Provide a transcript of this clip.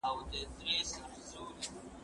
زه له سهاره نان خورم.